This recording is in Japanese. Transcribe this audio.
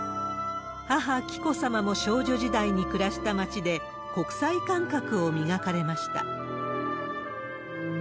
母、紀子さまも少女時代に暮らした町で、国際感覚を磨かれました。